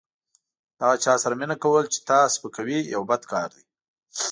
د هغه چا سره مینه کول چې تا سپکوي یو بد کار دی.